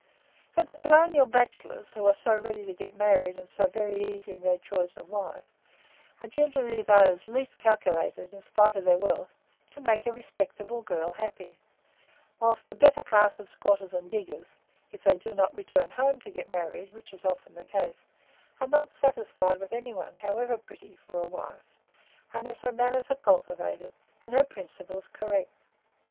But the colonial bachelors, who are so ready to get married, and so very easy in their choice of a wife, are generally those the least calculated, in spite of their wealth, to make a respectable girl happy; whilst the better class of squatters and diggers if they do not return home to get married, which is often the case are not satisfied with any one, however pretty, for a wife, unless her manners are cultivated and her principles correct.